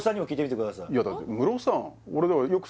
いやだってムロさん